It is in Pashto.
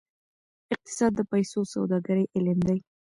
اقتصاد د پیسو او سوداګرۍ علم دی.